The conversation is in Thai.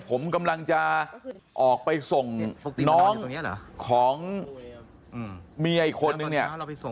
ผมกำลังจะออกไปส่งน้องของเมียอีกคนนึงเนี่ย